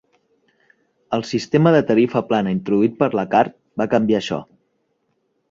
El sistema de tarifa plana introduït per la Carte va canviar això.